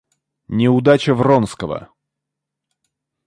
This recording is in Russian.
Неудача Вронского.